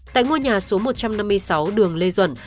tại ngôi nhà số một trăm năm mươi sáu đường lê duẩn